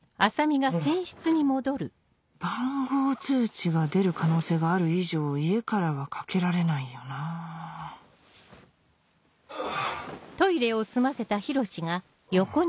番号通知が出る可能性がある以上家からはかけられないよなぁあぁ。